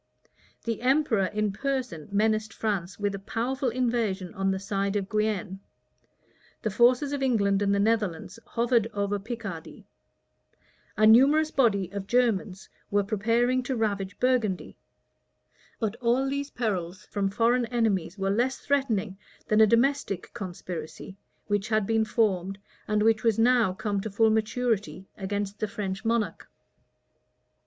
The emperor in person menaced France with a powerful invasion on the side of Guienne: the forces of England and the Netherlands hovered over Picardy: a numerous body of Germans were preparing to ravage Burgundy: but all these perils from foreign enemies were less threatening than a domestic conspiracy, which had been formed, and which was now come to full maturity, against the French monarch.